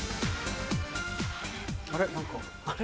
あれ？